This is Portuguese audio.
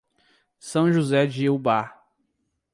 São José de Ubá